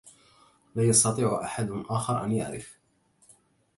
لا يستطيع أحد آخر أن يعرف.